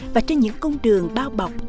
và trên những cung đường bao bọc